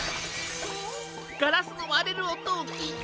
・ガラスのわれるおとをきいて。